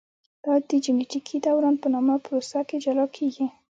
دا د جینټیکي دوران په نامه پروسه کې جلا کېږي.